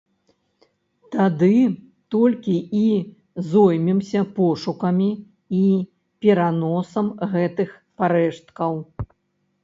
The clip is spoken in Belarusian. Тады толькі і зоймемся пошукам і пераносам гэтых парэшткаў.